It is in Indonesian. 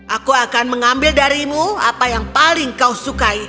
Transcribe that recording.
aku akan mengambil darimu apa yang paling kau sukai